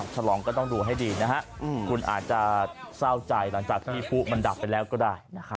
ฉลองก็ต้องดูให้ดีนะฮะคุณอาจจะเศร้าใจหลังจากที่ฟุมันดับไปแล้วก็ได้นะครับ